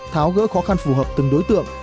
tháo gỡ khó khăn phù hợp từng đối tượng